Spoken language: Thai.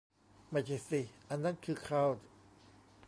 ไม่ใช่สิ อันนั้นคือเคาน์